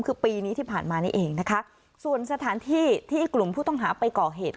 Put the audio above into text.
คือปีนี้ที่ผ่านมานี่เองนะคะส่วนสถานที่ที่กลุ่มผู้ต้องหาไปก่อเหตุ